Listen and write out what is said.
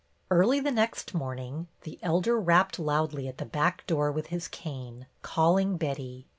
Early the next morning the Elder rapped loudly at the back door with his cane, calling Betty.